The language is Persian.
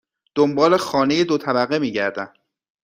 دنبال خانه دو طبقه می گردم.